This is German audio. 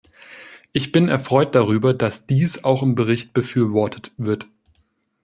Ich bin erfreut darüber, dass dies auch im Bericht befürwortet wird.